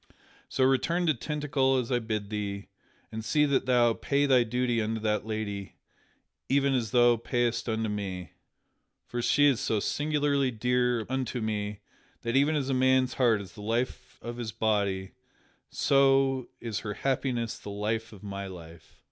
So return to Tintagel as I bid thee, and see that thou pay thy duty unto that lady even as thou payst it unto me. For she is so singularly dear unto me that, even as a man's heart is the life of his body, so is her happiness the life of my life."